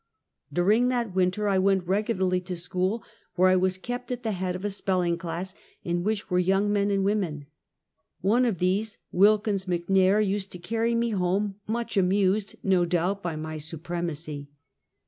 Dur 10 Half a Centuet. ing that winter I went regularly to school, where I was kept at the head of a spelling class, in which were yonng men and women. One of these, Wilkins Mc Nair, used to carry me home, much amused, no doubt, by my supremacy.